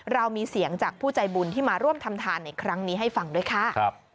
เรามีเสียงจากผู้ใจบุญที่มาร่วมทำทานในครั้งนี้ให้ฟังด้วยค่ะ